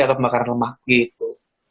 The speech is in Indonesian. atau pembakaran lemak gitu